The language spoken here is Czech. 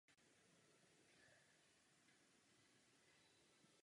Richter odjel na jeden rok do Vídně a provozoval zde tiskárnu.